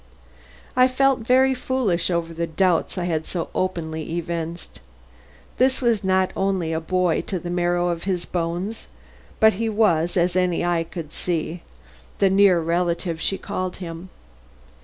I felt very foolish over the doubts I had so openly evinced. This was not only a boy to the marrow of his bones, but he was, as any eye could see, the near relative she called him.